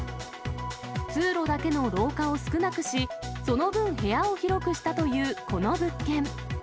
通路だけの廊下を少なくし、その分、部屋を広くしたというこの物件。